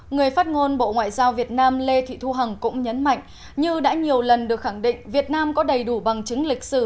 người phát ngôn bộ ngoại giao việt nam lê thị thu hằng cũng nhấn mạnh như đã nhiều lần được khẳng định việt nam có đầy đủ bằng chứng lịch sử